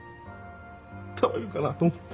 食べるかなと思って。